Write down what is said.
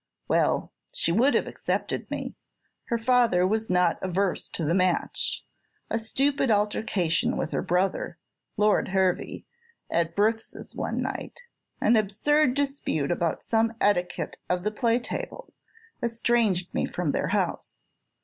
Well, she would have accepted me; her father was not averse to the match; a stupid altercation with her brother, Lord Hervey, at Brookes's one night an absurd dispute about some etiquette of the play table estranged me from their house.